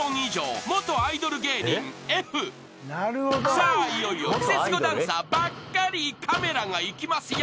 ［さあいよいよクセスゴダンサーばっかりカメラがいきますよ］